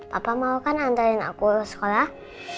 papa mau kan antarin aku ke sekolah